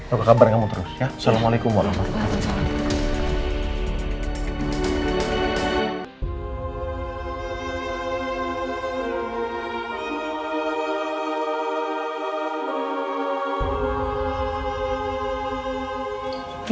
aku kabarin kamu terus ya assalamualaikum warahmatullahi wabarakatuh